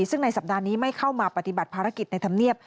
ซึ่งในสัปดาห์นี้ไม่เข้ามาปฏิบัติภารกิจในธรรมเนียบ